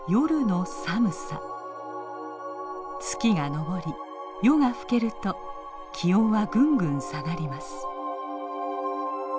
月が昇り夜が更けると気温はぐんぐん下がります。